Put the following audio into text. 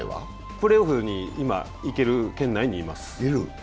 プレーオフに行ける圏内にいます。